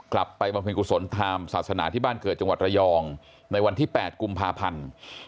บำเพ็ญกุศลทางศาสนาที่บ้านเกิดจังหวัดระยองในวันที่๘กุมภาพันธ์